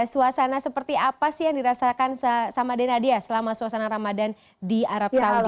suasana seperti apa sih yang dirasakan sama denadia selama suasana ramadan di arab saudi